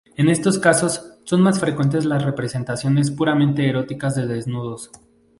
En estos casos, son más frecuentes las representaciones puramente eróticas de desnudos.